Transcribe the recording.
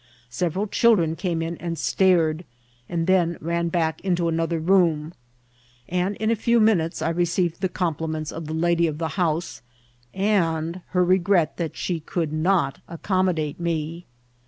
Several children came in and stared, and then ran back into another room ; and in a few minutes I received the compliments of the lady of the house, and her regret that she could not accommodate me.